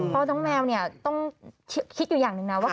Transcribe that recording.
เพราะน้องแมวเนี่ยต้องคิดอยู่อย่างหนึ่งนะว่า